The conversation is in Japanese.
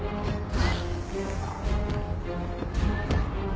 はい。